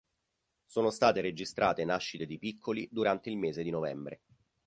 Sono state registrate nascite di piccoli durante il mese di novembre.